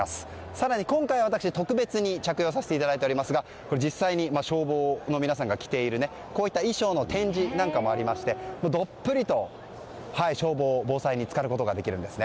更に今回私、特別に着用させていただいておりますが実際に消防隊員の皆様が着ているこういった衣装の展示なんかもありましてどっぷりと消防防災につかることができるんです。